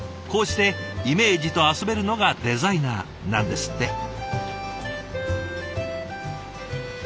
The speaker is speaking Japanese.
こうしてイメージと遊べるのがデザイナーなんですって。